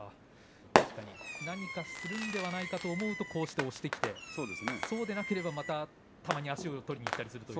確かに何かするんではないかと思うとこうして押してきてそうでなければまたたまに足を取りにいったりすると。